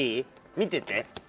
見てて。